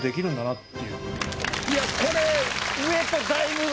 いやこれ上とだいぶ。